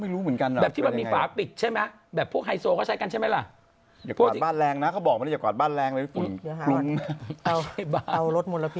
รถมลพิษที่ไหนแล้วแม้คะที่ไหนก็จะไปซื้อ